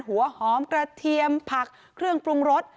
หัวหอมกระเทียมผักเครื่องปรุงรส